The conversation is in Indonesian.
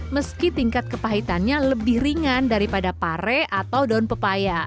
meski tingkat kepahitannya lebih ringan daripada pare atau daun pepaya